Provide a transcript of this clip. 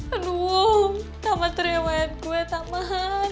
aduh taman tuh rewet gue taman